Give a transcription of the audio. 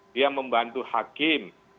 dia membantu hakim untuk menegakkan hukum